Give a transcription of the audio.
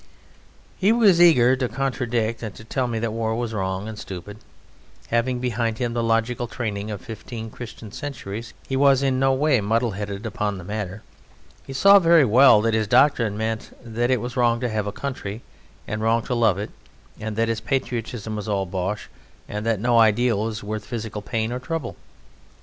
He was eager to contradict and to tell me that war was wrong and stupid. Having behind him the logical training of fifteen Christian centuries he was in no way muddle headed upon the matter. He saw very well that his doctrine meant that it was wrong to have a country, and wrong to love it, and that patriotism was all bosh, and that no ideal was worth physical pain or trouble.